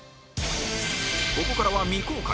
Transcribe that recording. ここからは未公開